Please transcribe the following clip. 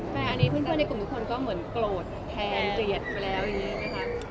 แต่อันนี้เพื่อนในกลุ่มทุกคนก็เหมือนโกรธแทนเกลียดไปแล้วอย่างนี้ไหมคะ